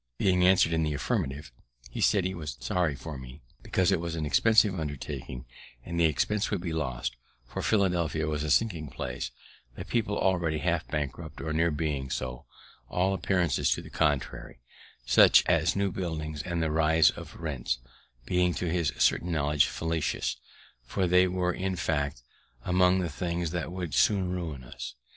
Being answered in the affirmative, he said he was sorry for me, because it was an expensive undertaking, and the expense would be lost; for Philadelphia was a sinking place, the people already half bankrupts, or near being so; all appearances to the contrary, such as new buildings and the rise of rents, being to his certain knowledge fallacious; for they were, in fact, among the things that would soon ruin us.